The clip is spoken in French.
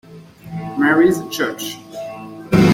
Mary's Church.